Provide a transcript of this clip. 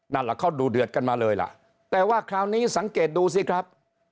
นั่นแหละเขาดูเดือดกันมาเลยล่ะแต่ว่าคราวนี้สังเกตดูสิครับ